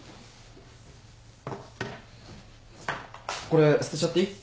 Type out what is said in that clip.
これ捨てちゃっていい？